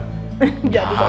jadi jalan pagi